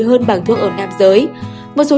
hơn bằng thuốc ở nam giới một số